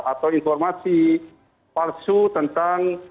atau informasi palsu tentang